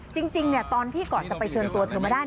จริงตอนที่ก่อนจะไปเชิญตัวเธอมาได้